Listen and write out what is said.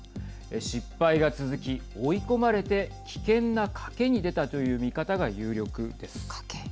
失敗が続き、追い込まれて危険な賭けにでたという見方が有力です。